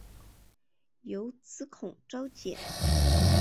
有子孔昭俭。